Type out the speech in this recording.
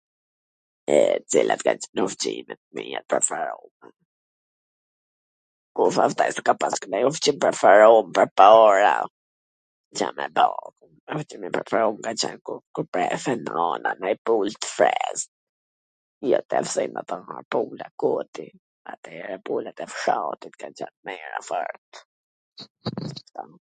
E, cilat kan qwn ushqimet mia t preferume? Kush asht ai qw ka pas nanj ushqim t preferum pwrpara? Ca me ba? Ushqim i preferum ka qwn kur prefet nwna me pru uj t freskt, jo tash si kto pula koti, atere pulat e fshatit kan qwn t mira fort.